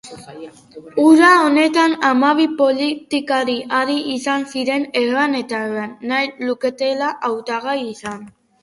Uda honetan, hamabi politikari ari izan ziren erran eta erran, nahi luketela hautagai izan.